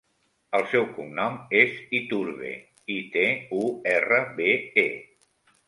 El seu cognom és Iturbe: i, te, u, erra, be, e.